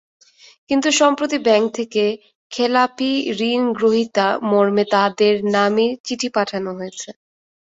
কিন্তু সম্প্রতি ব্যাংক থেকে খেলাপি ঋণগ্রহীতা মর্মে তাঁদের নামে চিঠি পাঠানো হয়েছে।